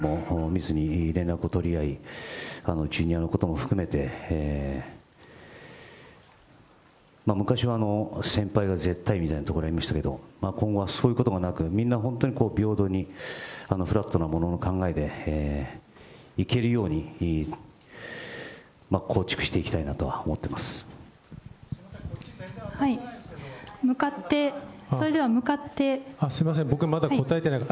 ただ、それを経験していますから、井ノ原とも密に連絡を取り合い、ジュニアのことも含めて、昔は先輩は絶対みたいなところはありましたけど、今後はそういうこともなく、みんな本当に平等に、フラットなものの考えでいけるように構築していきたいなとは思っ向かって、すみません、僕、まだ答えてない。